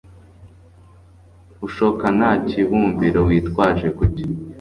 ushoka nta kibumbiro witwaje kuki